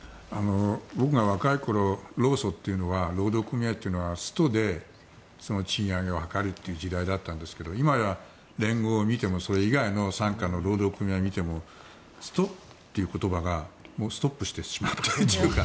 僕が若い頃労組というのは労働組合というのはストで賃上げを図るという時代だったんですけど今や連合を見てもそれ以外の傘下の労働組合を見てもストという言葉がストップしてしまっているというか